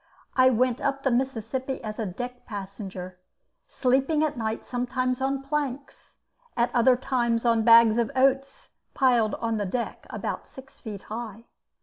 I went up the Mississippi as a deck passenger, sleeping at night sometimes on planks, at other times on bags of oats piled on the deck about six feet high.